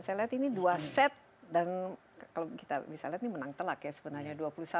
saya lihat ini dua set dan kalau kita bisa lihat ini menang telak ya sebenarnya